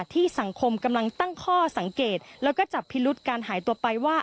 ที่สังคมกำลังตั้งข้อสังเกตแล้วก็จับพิรุษการหายตัวไปว่า